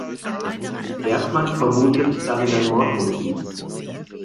Bergmann vermutet darin ein Mordmotiv.